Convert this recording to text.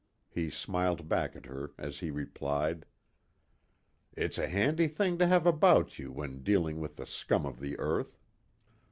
He smiled back at her as he replied. "It's a handy thing to have about you when dealing with the scum of the earth.